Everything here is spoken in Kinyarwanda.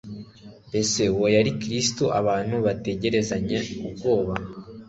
Mbese uwo yari Kristo? Abantu bitegerezanya ubwoba